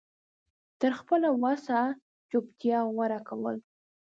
تر خپله وسه چوپتيا غوره کول